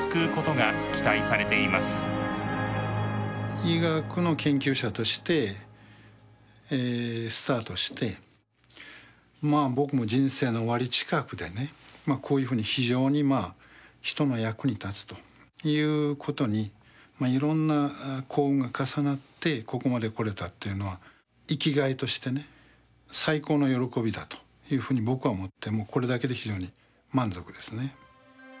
医学の研究者としてスタートしてまあ僕の人生の終わり近くでねこういうふうに非常にまあ人の役に立つということにいろんな幸運が重なってここまで来れたっていうのは生きがいとしてね最高の喜びだというふうに僕は思ってもうこれだけで非常に満足ですね。